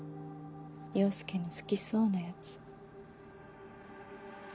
陽佑の好きそうなやつ。